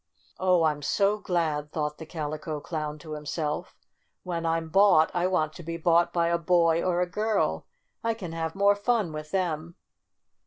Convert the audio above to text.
"Oh, I'm so glad!" thought the Calico Clown to himself. "When I'm bought I want to be bought by a boy or a girl. I can have more fun with them."